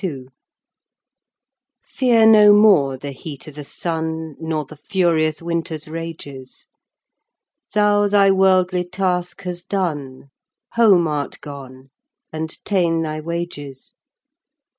Guid. Feare no more the heate o'th' Sun, Nor the furious Winters rages, Thou thy worldly task hast don, Home art gon, and tane thy wages.